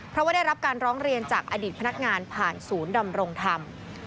เพราะว่าได้รับการร้องเรียนจากอดีตพนักงานผ่านศูนย์ดำรงธรรม